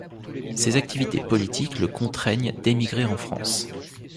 Ses activités politiques le contraignent d'émigrer en France.